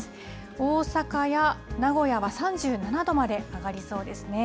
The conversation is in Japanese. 大阪や名古屋は３７度まで上がりそうですね。